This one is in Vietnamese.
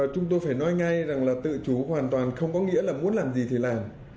chúng tôi phải nói ngay rằng là tự chủ hoàn toàn không có nghĩa là muốn làm gì thì làm